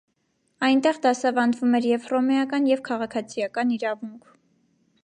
Այնտեղ դասավանդվում էր և՛ հռոմեական, և՛ քաղաքացիական իրավունք։